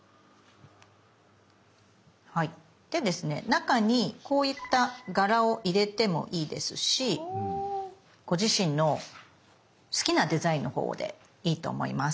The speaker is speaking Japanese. でですね中にこういった柄を入れてもいいですしご自身の好きなデザインのほうでいいと思います。